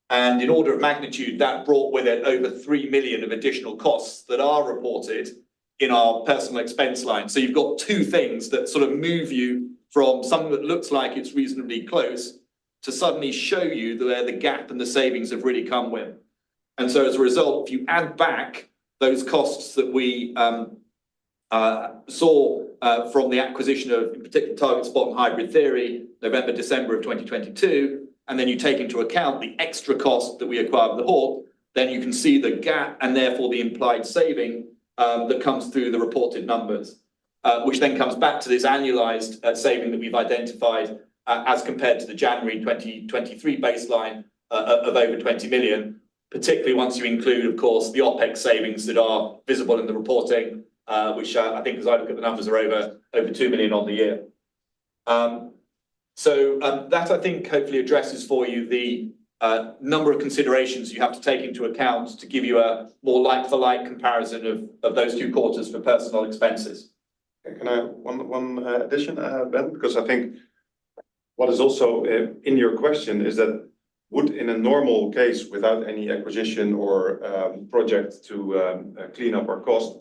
In order of magnitude, that brought with it over 3 million of additional costs that are reported in our personal expense line. You've got two things that sort of move you from something that looks like it's reasonably close to suddenly show you where the gap and the savings have really come with. So as a result, if you add back those costs that we saw from the acquisition of, in particular, Targetspot and Hybrid Theory, November, December of 2022, and then you take into account the extra cost that we acquired with Hawk, then you can see the gap and therefore the implied saving that comes through the reported numbers, which then comes back to this annualized saving that we've identified as compared to the January 2023 baseline of over 20 million, particularly once you include, of course, the OpEx savings that are visible in the reporting, which I think, as I look at the numbers, are over 2 million on the year. So that, I think, hopefully addresses for you the number of considerations you have to take into account to give you a more like-for-like comparison of those two quarters for personnel expenses. Can I add one addition, Ben? Because I think what is also in your question is that would, in a normal case, without any acquisition or project to clean up our cost,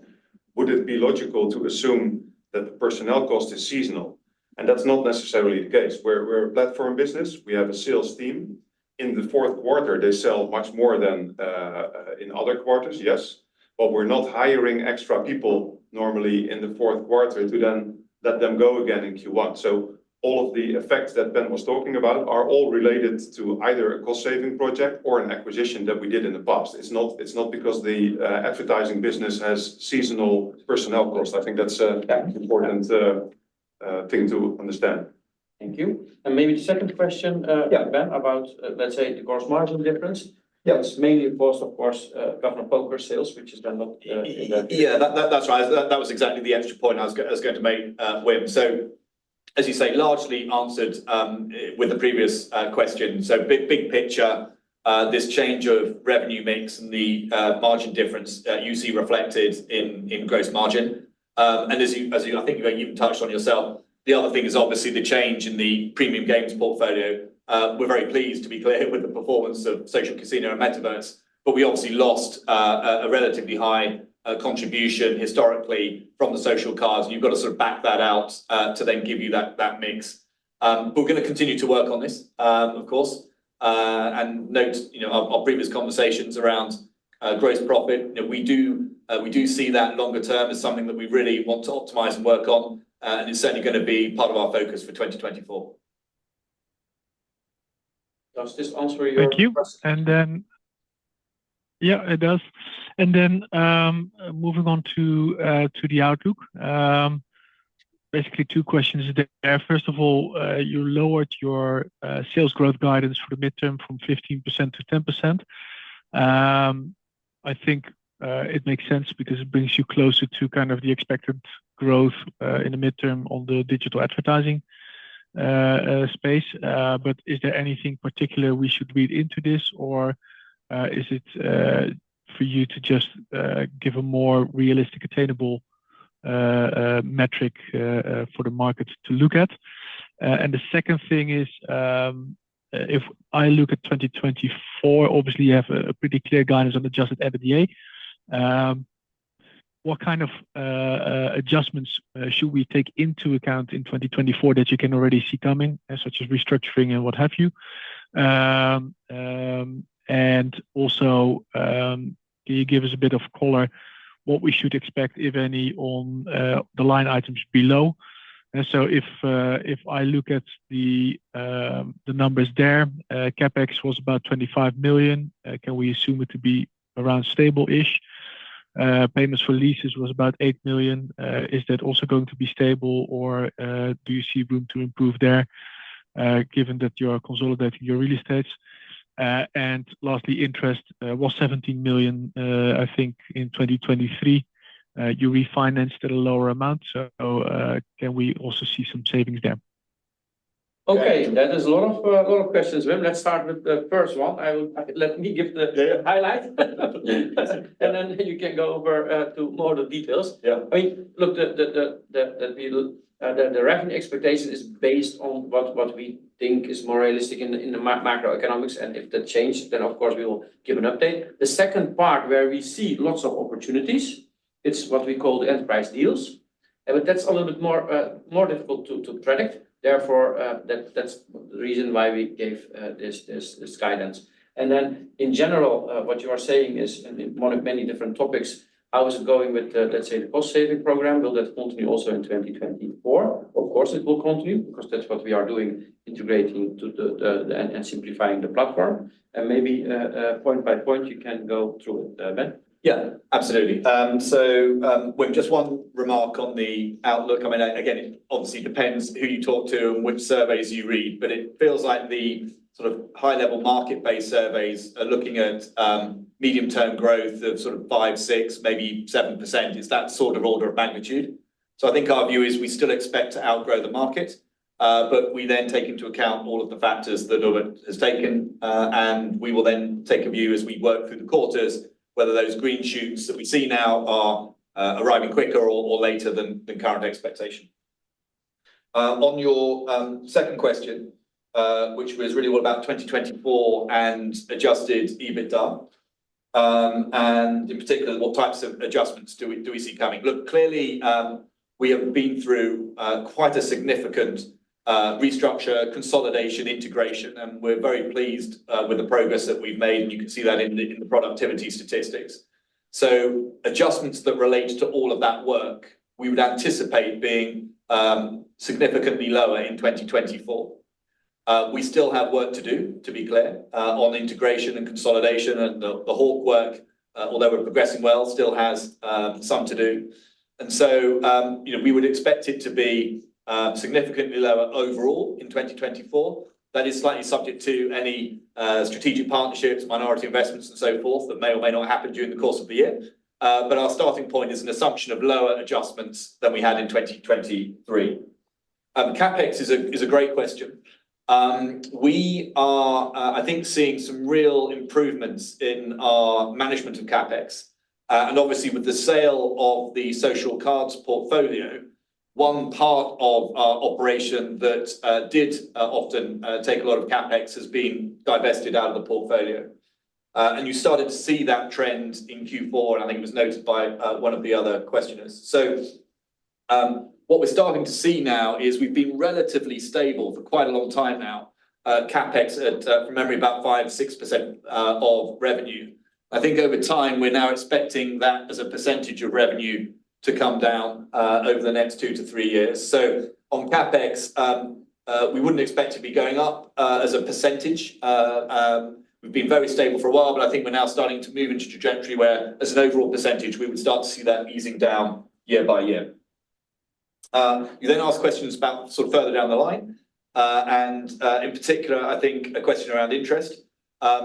would it be logical to assume that the personnel cost is seasonal? And that's not necessarily the case. We're a platform business. We have a sales team. In the fourth quarter, they sell much more than in other quarters, yes. But we're not hiring extra people normally in the fourth quarter to then let them go again in Q1. So all of the effects that Ben was talking about are all related to either a cost-saving project or an acquisition that we did in the past. It's not because the advertising business has seasonal personnel costs. I think that's an important thing to understand. Thank you. Maybe the second question, Ben, about, let's say, the gross margin difference. It's mainly because, of course, Governor Poker's sales, which has not been in that year. That's right. That was exactly the extra point I was going to make, Wim. So, as you say, largely answered with the previous question. So big picture, this change of revenue mix and the margin difference you see reflected in gross margin. And as you, I think, you've touched on yourself, the other thing is obviously the change in the premium games portfolio. We're very pleased, to be clear, with the performance of Social Casino and Metaverse. But we obviously lost a relatively high contribution historically from the social casino. And you've got to sort of back that out to then give you that mix. But we're going to continue to work on this, of course, and note our previous conversations around gross profit. We do see that longer term as something that we really want to optimize and work on. And it's certainly going to be part of our focus for 2024. Wim, just answer your question. Thank you. Yeah, it does. And then moving on to the outlook, basically, two questions there. First of all, you lowered your sales growth guidance for the midterm from 15%-10%. I think it makes sense because it brings you closer to kind of the expected growth in the midterm on the digital advertising space. But is there anything particular we should read into this, or is it for you to just give a more realistic, attainable metric for the market to look at? The second thing is, if I look at 2024, obviously, you have a pretty clear guidance on Adjusted EBITDA. What kind of adjustments should we take into account in 2024 that you can already see coming, such as restructuring and what have you? And also, can you give us a bit of color, what we should expect, if any, on the line items below? So if I look at the numbers there, CapEx was about 25 million. Can we assume it to be around stable-ish? Payments for leases was about 8 million. Is that also going to be stable, or do you see room to improve there given that you are consolidating your real estates? And lastly, interest was 17 million, I think, in 2023. You refinanced at a lower amount. So can we also see some savings there? Okay. That is a lot of questions, Wim. Let's start with the first one. Let me give the highlight, and then you can go over to more of the details. I mean, look, the revenue expectation is based on what we think is more realistic in the macroeconomics. And if that changes, then, of course, we will give an update. The second part where we see lots of opportunities, it's what we call the enterprise deals. But that's a little bit more difficult to predict. Therefore, that's the reason why we gave this guidance. And then in general, what you are saying is, on many different topics, how is it going with, let's say, the cost-saving program? Will that continue also in 2024? Of course, it will continue because that's what we are doing, integrating and simplifying the platform. And maybe point by point, you can go through it, Ben. Yeah. Absolutely. So, Wim, just one remark on the outlook. I mean, again, it obviously depends who you talk to and which surveys you read. But it feels like the sort of high-level market-based surveys are looking at medium-term growth of sort of five, six, maybe seven%. It's that sort of order of magnitude. So I think our view is we still expect to outgrow the market. But we then take into account all of the factors that Norbert has taken. And we will then take a view, as we work through the quarters, whether those green shoots that we see now are arriving quicker or later than current expectation. On your second question, which was really all about 2024 and Adjusted EBITDA, and in particular, what types of adjustments do we see coming? Look, clearly, we have been through quite a significant restructure, consolidation, integration. We're very pleased with the progress that we've made. You can see that in the productivity statistics. Adjustments that relate to all of that work, we would anticipate being significantly lower in 2024. We still have work to do, to be clear, on integration and consolidation and the Hawk work, although we're progressing well, still has some to do. We would expect it to be significantly lower overall in 2024. That is slightly subject to any strategic partnerships, minority investments, and so forth that may or may not happen during the course of the year. Our starting point is an assumption of lower adjustments than we had in 2023. CapEx is a great question. We are, I think, seeing some real improvements in our management of CapEx. Obviously, with the sale of the social cards portfolio, one part of our operation that did often take a lot of CapEx has been divested out of the portfolio. You started to see that trend in Q4. I think it was noted by one of the other questioners. What we're starting to see now is we've been relatively stable for quite a long time now, CapEx, from memory, about 5%-6% of revenue. I think over time, we're now expecting that as a percentage of revenue to come down over the next two to three years. On CapEx, we wouldn't expect it to be going up as a percentage. We've been very stable for a while. But I think we're now starting to move into trajectory where, as an overall percentage, we would start to see that easing down year by year. You then ask questions sort of further down the line. And in particular, I think a question around interest.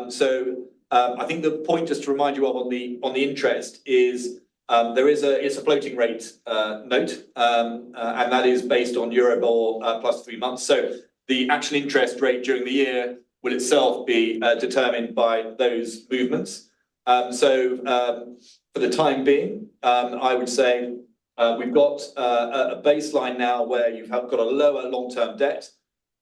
So I think the point just to remind you of on the interest is there is a it's a floating-rate note. And that is based on Euribor plus three months. So the actual interest rate during the year will itself be determined by those movements. So for the time being, I would say we've got a baseline now where you've got a lower long-term debt.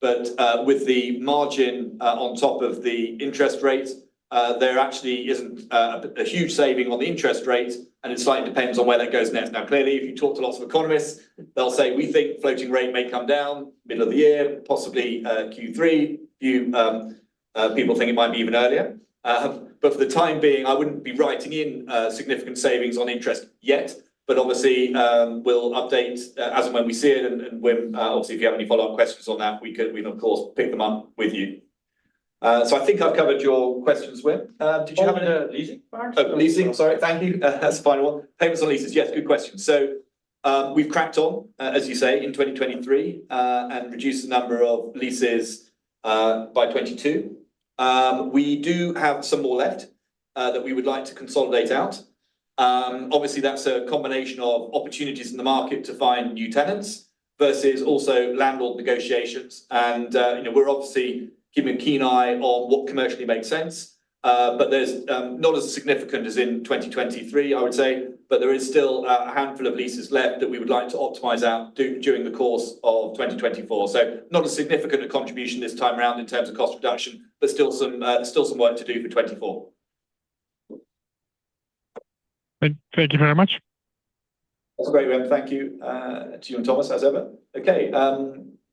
But with the margin on top of the interest rate, there actually isn't a huge saving on the interest rate. And it slightly depends on where that goes next. Now, clearly, if you talk to lots of economists, they'll say, "We think floating rate may come down middle of the year, possibly Q3." Few people think it might be even earlier. But for the time being, I wouldn't be writing in significant savings on interest yet. But obviously, we'll update as and when we see it. And, Wim, obviously, if you have any follow-up questions on that, we can, of course, pick them up with you. So I think I've covered your questions, Wim. Did you have any? Oh, leasing part? Oh, leasing. Sorry. Thank you. That's the final one. Payments on leases. Yes, good question. So we've cracked on, as you say, in 2023 and reduced the number of leases by 2022. We do have some more left that we would like to consolidate out. Obviously, that's a combination of opportunities in the market to find new tenants versus also landlord negotiations. And we're obviously keeping a keen eye on what commercially makes sense. But there's not as significant as in 2023, I would say. But there is still a handful of leases left that we would like to optimize out during the course of 2024. So not a significant contribution this time around in terms of cost reduction, but still some work to do for 2024. Thank you very much. That's great, Wim. Thank you to you and Thomas, as ever. Okay.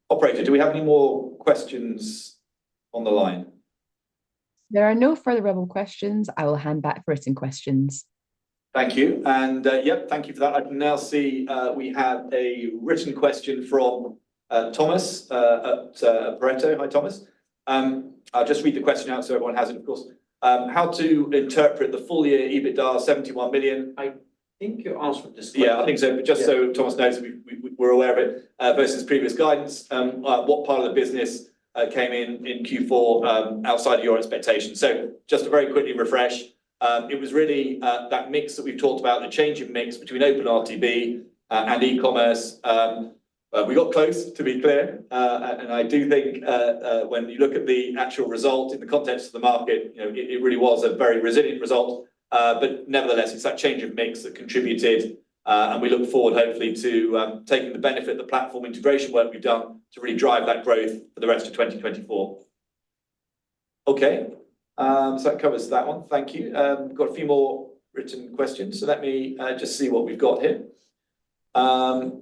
Operator, do we have any more questions on the line? There are no further verbal questions. I will hand back for written questions. Thank you. And yep, thank you for that. I can now see we have a written question from Thomas at Pareto. Hi, Thomas. I'll just read the question out so everyone has it, of course. How to interpret the full-year EBITDA, 71 million? I think you asked for this question. Yeah, I think so. But just so Thomas knows that we're aware of it versus previous guidance, what part of the business came in Q4 outside of your expectation? So just a very quick refresh. It was really that mix that we've talked about, the change in mix between OpenRTB and e-commerce. We got close, to be clear. And I do think when you look at the actual result in the context of the market, it really was a very resilient result. But nevertheless, it's that change of mix that contributed. And we look forward, hopefully, to taking the benefit of the platform integration work we've done to really drive that growth for the rest of 2024. Okay. So that covers that one. Thank you. We've got a few more written questions. So let me just see what we've got here. And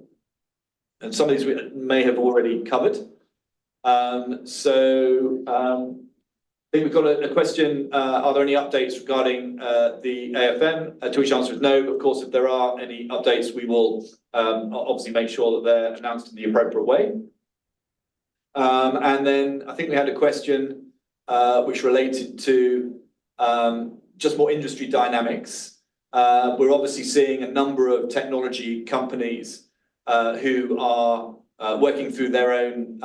some of these we may have already covered. So I think we've got a question. Are there any updates regarding the AFM? The answer is no. But of course, if there are any updates, we will obviously make sure that they're announced in the appropriate way. And then I think we had a question which related to just more industry dynamics. We're obviously seeing a number of technology companies who are working through their own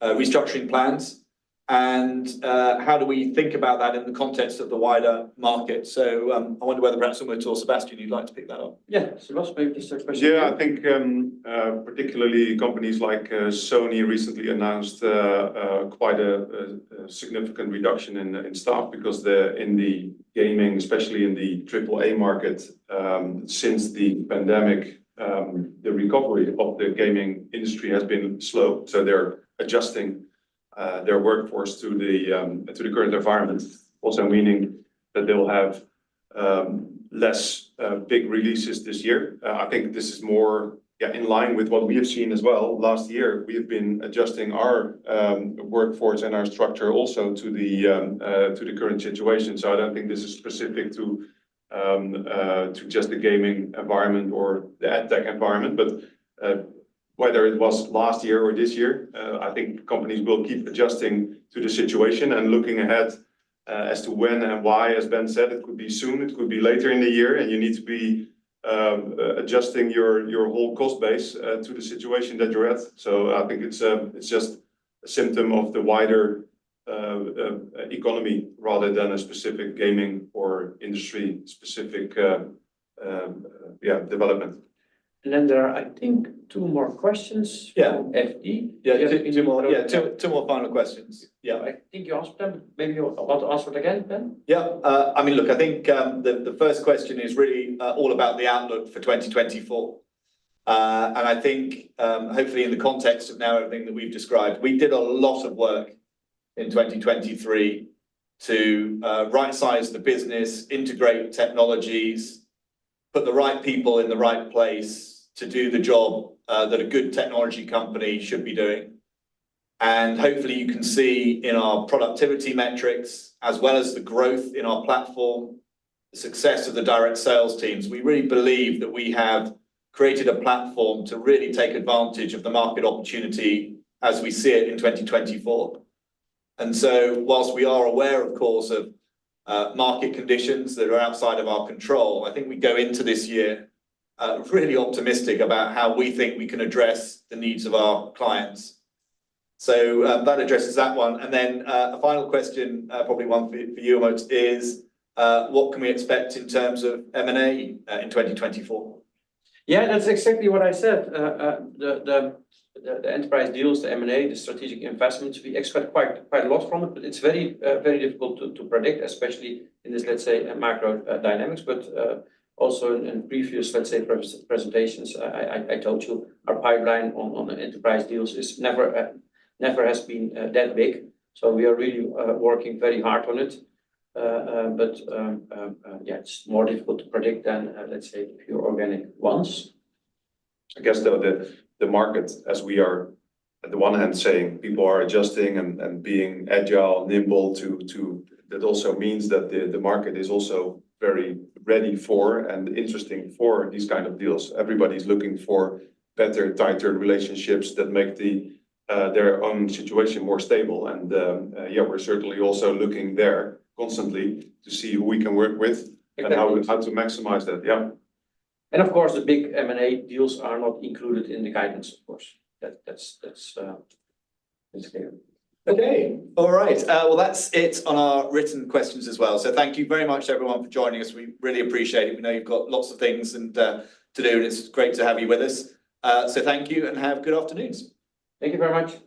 restructuring plans. And how do we think about that in the context of the wider market? So I wonder whether perhaps Sebastiaan, you'd like to pick that up. Yeah. Sebastiaan, maybe just a question. Yeah. I think particularly companies like Sony recently announced quite a significant reduction in staff because they're in the gaming, especially in the AAA market since the pandemic. The recovery of the gaming industry has been slow. They're adjusting their workforce to the current environment, also meaning that they will have less big releases this year. I think this is more, yeah, in line with what we have seen as well. Last year, we have been adjusting our workforce and our structure also to the current situation. I don't think this is specific to just the gaming environment or the adtech environment. Whether it was last year or this year, I think companies will keep adjusting to the situation and looking ahead as to when and why. As Ben said, it could be soon. It could be later in the year. You need to be adjusting your whole cost base to the situation that you're at. I think it's just a symptom of the wider economy rather than a specific gaming or industry-specific, yeah, development. And then there are, I think, two more questions from FD. Yeah. Two more final questions. Yeah. I think you asked them. Maybe I'll ask it again, Ben. Yeah. I mean, look, I think the first question is really all about the outlook for 2024. And I think, hopefully, in the context of now everything that we've described, we did a lot of work in 2023 to right-size the business, integrate technologies, put the right people in the right place to do the job that a good technology company should be doing. And hopefully, you can see in our productivity metrics as well as the growth in our platform, the success of the direct sales teams. We really believe that we have created a platform to really take advantage of the market opportunity as we see it in 2024. And so while we are aware, of course, of market conditions that are outside of our control, I think we go into this year really optimistic about how we think we can address the needs of our clients. So that addresses that one. And then a final question, probably one for you, Umut, is what can we expect in terms of M&A in 2024? Yeah, that's exactly what I said. The enterprise deals, the M&A, the strategic investment, we expect quite a lot from it. But it's very difficult to predict, especially in this, let's say, macro dynamics. But also in previous, let's say, presentations, I told you, our pipeline on enterprise deals never has been that big. So we are really working very hard on it. But yeah, it's more difficult to predict than, let's say, pure organic ones. I guess, though, the market, as we are on the one hand saying, people are adjusting and being agile, nimble, that also means that the market is also very ready for and interesting for these kind of deals. Everybody's looking for better, tighter relationships that make their own situation more stable. And yeah, we're certainly also looking there constantly to see who we can work with and how to maximize that. Yeah. And of course, the big M&A deals are not included in the guidance, of course. That's clear. Okay. All right. Well, that's it on our written questions as well. So thank you very much, everyone, for joining us. We really appreciate it. We know you've got lots of things to do. And it's great to have you with us. So thank you. And have good afternoons. Thank you very much.